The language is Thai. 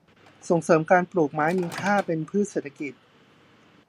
ส่งเสริมการปลูกไม้มีค่าเป็นพืชเศรษฐกิจ